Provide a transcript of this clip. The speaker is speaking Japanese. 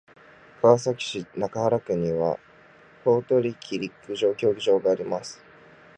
川崎市中原区には等々力陸上競技場があります。